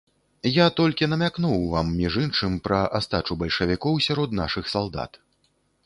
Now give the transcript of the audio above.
Я толькі намякнуў вам, між іншым, пра астачу бальшавікоў сярод нашых салдат.